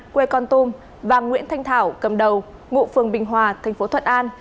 quê con tum và nguyễn thanh thảo cầm đầu ngụ phường bình hòa thành phố thuận an